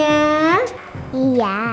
mau dong ya